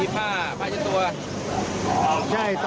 พี่ทำไมไม่ให้ผมคุยก่อน